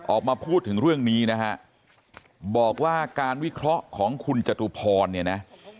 ออกมาพูดถึงเรื่องนี้นะฮะบอกว่าการวิเคราะห์ของคุณจตุพรเนี่ยนะ